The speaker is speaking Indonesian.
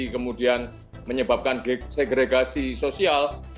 kemudian menyebabkan segregasi sosial